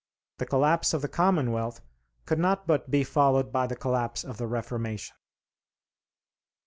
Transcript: The collapse of the Commonwealth could not but be followed by the collapse of the Reformation.